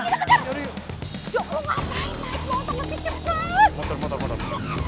juri kita kejar